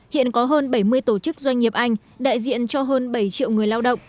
hiện có hơn bảy mươi tổ chức doanh nghiệp anh đại diện cho hơn bảy triệu người lao động